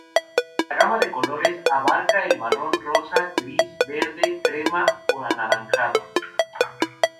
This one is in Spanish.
La gama de colores abarca el marrón, rosa, gris, verde, crema, o anaranjado.